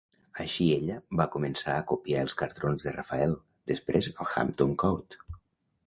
Així ella va començar a copiar els Cartrons de Rafael, després al Hampton Court.